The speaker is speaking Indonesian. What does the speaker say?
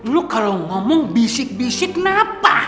lu kalau ngomong bisik bisik napa